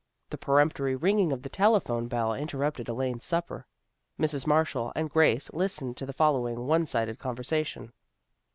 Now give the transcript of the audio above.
The peremptory ringing of the telephone bell interrupted Elaine's supper. Mrs. Mar shall and Grace listened to the following one sided conversation.